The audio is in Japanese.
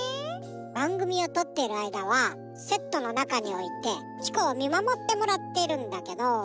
ばんぐみをとっているあいだはセットのなかにおいてチコをみまもってもらっているんだけど。